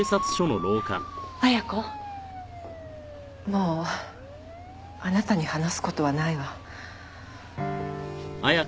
もうあなたに話す事はないわ。